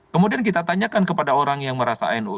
kemudian kita tanyakan kepada orang yang merasa nu